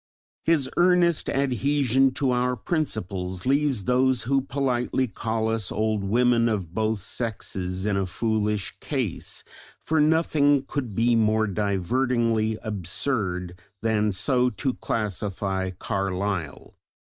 His earnest adhesion to our principles leaves those who politely call us old women of both sexes in a foolish case, for nothing could be more divertingly absurd than so to classify Carlyle.